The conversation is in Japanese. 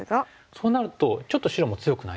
そうなるとちょっと白も強くないですか？